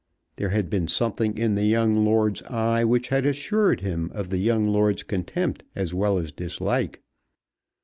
There had been something in the young lord's eye which had assured him of the young lord's contempt as well as dislike.